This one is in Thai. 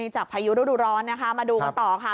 จากพายุรุ่นรอนมาดูต่อค่ะ